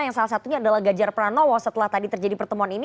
yang salah satunya adalah ganjar pranowo setelah tadi terjadi pertemuan ini